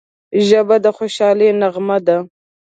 ژبه د خوشحالۍ نغمه ده